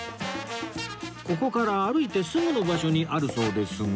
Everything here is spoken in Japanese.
ここから歩いてすぐの場所にあるそうですが